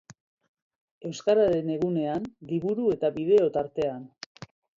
Euskararen egunean, liburu eta bideo tartean.